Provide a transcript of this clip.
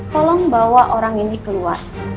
tolong bawa orang ini keluar